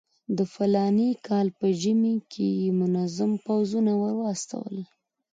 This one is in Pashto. د فلاني کال په ژمي کې یې منظم پوځونه ورواستول.